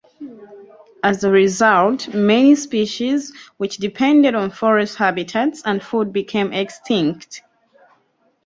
As a result, many species which depended on forest habitats and food became extinct.